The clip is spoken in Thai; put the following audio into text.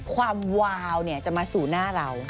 ความวาวจะมาสู่หน้าเรา